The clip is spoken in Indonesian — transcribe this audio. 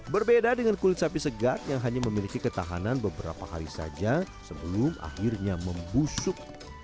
berbeda dengan kulit sapi segar yang hanya memiliki ketahanan beberapa hari saja sebelum akhirnya membusuk